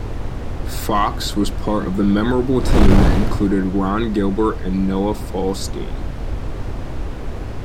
Fox was part of the memorable team that included Ron Gilbert and Noah Falstein.